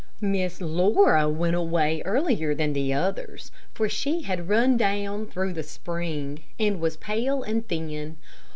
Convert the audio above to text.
Miss Laura went away earlier than the others, for she had run down through the spring, and was pale and thin.